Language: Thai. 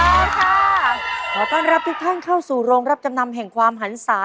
ขอบความรับทุกท่านเข้าสู่โรงรับจำนำแห่งความหันศา